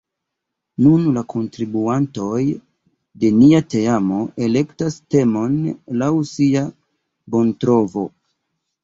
Nun la kontribuantoj de nia teamo elektas temon laŭ sia bontrovo.